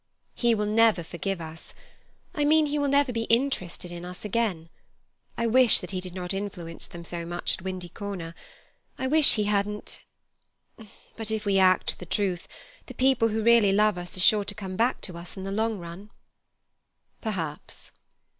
"He will never forgive us—I mean, he will never be interested in us again. I wish that he did not influence them so much at Windy Corner. I wish he hadn't—But if we act the truth, the people who really love us are sure to come back to us in the long run." "Perhaps."